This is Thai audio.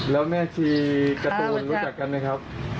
แล้วแม่ชีการ์ตูนรู้จักกันไหมครับ